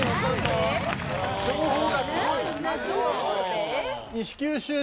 情報がすごい。